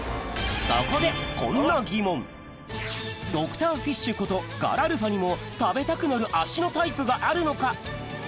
そこでこんなドクターフィッシュことガラ・ルファにも食べたくなる足のタイプがあるのか？